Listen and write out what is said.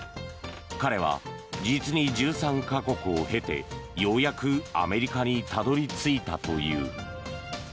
彼は実に１３か国を経てようやくアメリカにたどり着いたという。